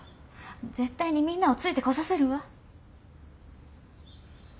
絶対にみんなをついてこさせるわ。